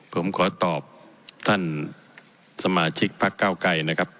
ผมขอตอบท่านสมาชิกพักเก้าไกรนะครับ